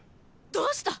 どうした！？